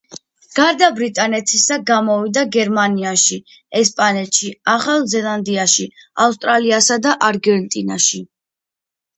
გარდა ბრიტანეთისა, გამოვიდა გერმანიაში, ესპანეთში, ახალ ზელანდიაში, ავსტრალიასა და არგენტინაში.